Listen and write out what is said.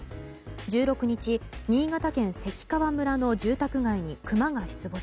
１６日、新潟県関川村の住宅街にクマが出没。